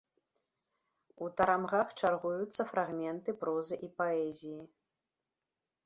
У тарамгах чаргуюцца фрагменты прозы і паэзіі.